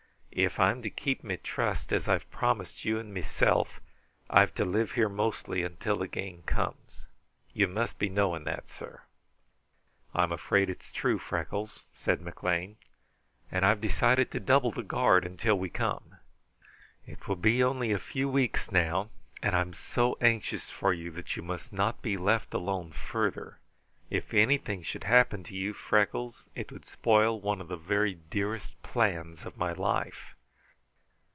If I'm to keep me trust as I've promised you and meself, I've to live here mostly until the gang comes. You must be knowing that, sir." "I'm afraid it's true, Freckles," said McLean. "And I've decided to double the guard until we come. It will be only a few weeks, now; and I'm so anxious for you that you must not be left alone further. If anything should happen to you, Freckles, it would spoil one of the very dearest plans of my life."